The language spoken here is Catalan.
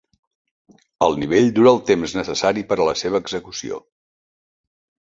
El nivell dura el temps necessari per a la seva execució.